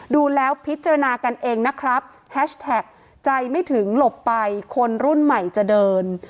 ดูแล้วพิจารณากันเองนะครับแฮชแท็กใจไม่ถึงหลบไปคนรุ่นใหม่จะเดิน